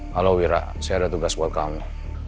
halo wira saya ada tugas buat kamu